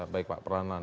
baik pak peranan